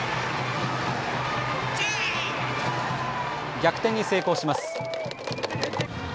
逆転に成功します。